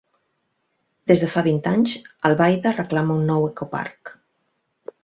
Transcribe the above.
Des de fa vint anys, Albaida reclama un nou ecoparc.